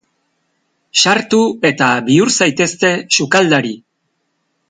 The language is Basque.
Sartu eta bihur zaitezte sukaldari!